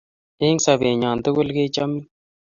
Eng' sobennyo tukul ke chamin